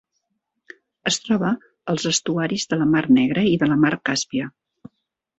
Es troba als estuaris de la Mar Negra i de la Mar Càspia.